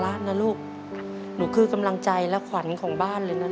อเรนนี่ต้องมีวัคซีนตัวหนึ่งเพื่อที่จะช่วยดูแลพวกม้ามและก็ระบบในร่างกาย